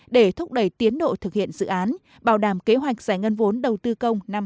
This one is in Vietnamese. để thúc đẩy tiến độ thực hiện dự án bảo đảm kế hoạch giải ngân vốn đầu tư công năm hai nghìn hai mươi